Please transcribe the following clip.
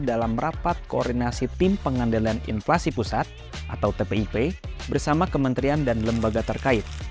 dalam rapat koordinasi tim pengendalian inflasi pusat atau tpip bersama kementerian dan lembaga terkait